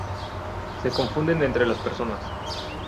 se confunden entre las personas